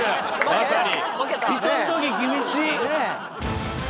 まさに。